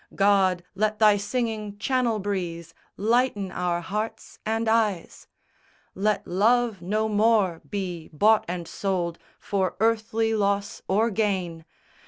God, let Thy singing Channel breeze Lighten our hearts and eyes! Let love no more be bought and sold For earthly loss or gain.